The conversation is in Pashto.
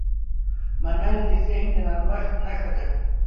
منل د ذهن د نرمښت نښه ده.